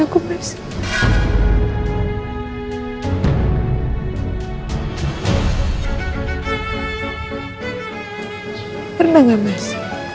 mana kamu mikirin perasaan aku mas